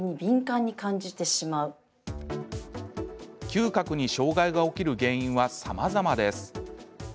嗅覚に障害が起きる原因はさまざまです。